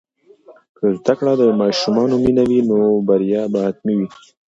که زده کړه د ماشومانو مینه وي، نو بریا به حتمي وي.